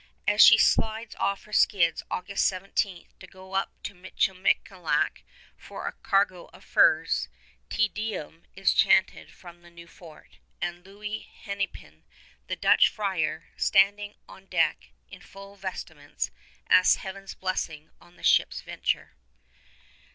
As she slides off her skids, August 17, to go up to Michilimackinac for a cargo of furs, Te Deum is chanted from the new fort, and Louis Hennepin, the Dutch friar, standing on deck in full vestments, asks Heaven's blessing on the ship's venture.